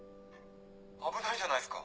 危ないじゃないっすか。